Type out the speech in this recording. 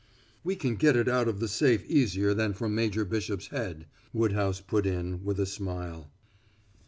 "We can get it out of the safe easier than from Major Bishop's head," Woodhouse put in, with a smile.